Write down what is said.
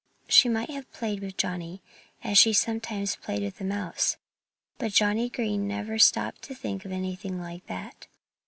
She might have played with Johnnie, as she sometimes played with a mouse. But Johnnie Green never stopped to think of anything like that.